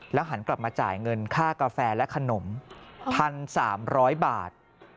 แล้วหันกลับมาจ่ายเงินค่ากาแฟและขนมพันสามร้อยบาท